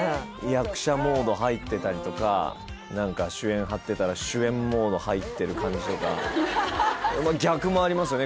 役者モード入ってたりとか何か主演はってたら主演モード入ってる感じとか逆もありますよね